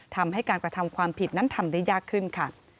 ทำให้การกระทำความผิดนั้นทำได้ยากขึ้นค่ะ